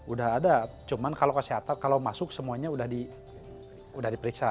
udah ada cuman kalau masuk semuanya udah diperiksa